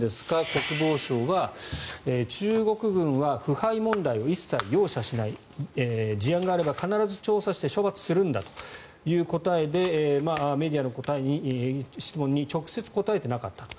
国防省は中国軍は腐敗問題を一切容赦しない事案があれば必ず調査して処罰するんだという答えでメディアの質問に直接答えていなかったと。